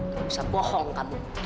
gak usah bohong kamu